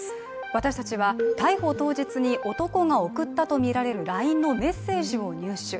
私たちは逮捕当日に、男が送ったとみられるＬＩＮＥのメッセージを入手。